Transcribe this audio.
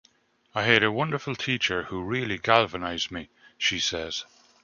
"I had a wonderful teacher who really galvanized me," she says.